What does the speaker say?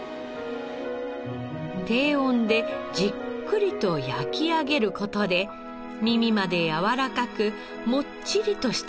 低温でじっくりと焼き上げる事で耳までやわらかくもっちりとした食感に。